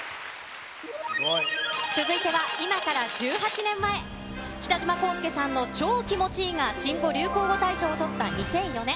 続いては、今から１８年前、北島康介さんのチョー気持ちいいが新語・流行語大賞を取った２００４年。